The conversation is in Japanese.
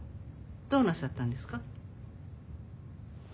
どうなさったんですか？